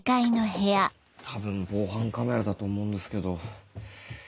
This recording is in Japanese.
多分防犯カメラだと思うんですけど。